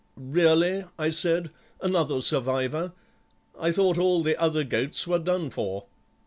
"'Really,' I said, 'another survivor? I thought all the other goats were done for.